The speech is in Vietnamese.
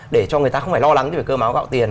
để cho người ta không phải lo lắng về cơm áo gạo tiền